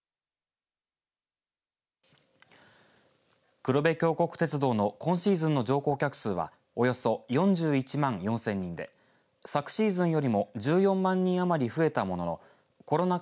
黒部峡谷鉄道の今シーズンの乗降客数はおよそ４１万４０００人で昨シーズンよりも１４万人余り増えたもののコロナ禍